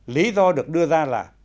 lý do được đưa ra là